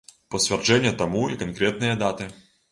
У пацвярджэнне таму і канкрэтныя даты.